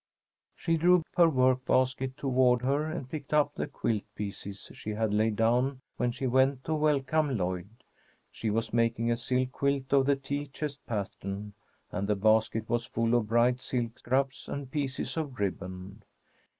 She drew her work basket toward her and picked up the quilt pieces she had laid down when she went to welcome Lloyd. She was making a silk quilt of the tea chest pattern, and the basket was full of bright silk scraps and pieces of ribbon.